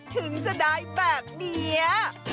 ถึงจะได้แบบนี้